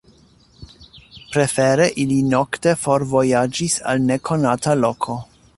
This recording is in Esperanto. Prefere ili nokte forvojaĝis al nekonata loko.